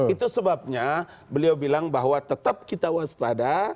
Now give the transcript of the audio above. itu sebabnya beliau bilang bahwa tetap kita waspada